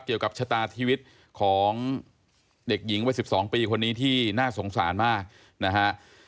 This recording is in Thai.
เกี่ยวกับชะตาชีวิตของเด็กหญิงวัย๑๒ปีคนนี้ที่น่าสงสารมากนะฮะ